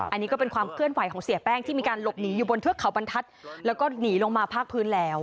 อันนี้ก็เป็นความเคลื่อนไหวของเสียแป้งที่มีการหลบหนีอยู่บนเทือกเขาบรรทัศน์แล้วก็หนีลงมาภาคพื้นแล้ว